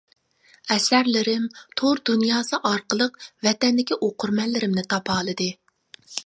ئەسەرلىرىم تور دۇنياسى ئارقىلىق ۋەتەندىكى ئوقۇرمەنلىرىمنى تاپالىدى.